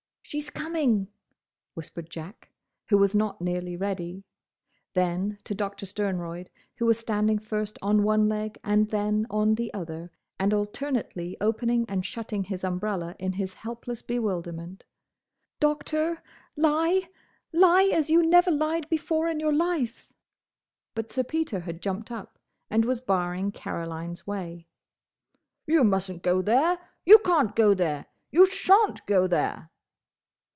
"She 's coming!" whispered Jack, who was not nearly ready. Then, to Doctor Sternroyd, who was standing first on one leg and then on the other and alternately opening and shutting his umbrella in his helpless bewilderment, "Doctor! Lie! Lie, as you never lied before in your life!" But Sir Peter had jumped up, and was barring Caroline's way. "You mustn't go there!—You can't go there!—You shan't go there!"